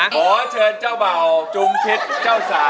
ขอเชิญเจ้าเบาจุงเพชรเจ้าสาว